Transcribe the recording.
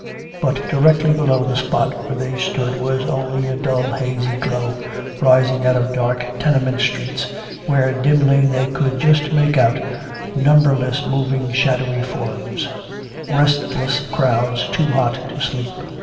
But directly below the spot where they stood was only a dull hazy glow, rising out of dark tenement streets where dimly they could just make out numberless moving shadowy forms, restless crowds too hot to sleep.